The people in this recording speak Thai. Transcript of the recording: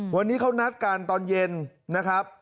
วันนี้เขานัดกันตอนเย็นนะครับ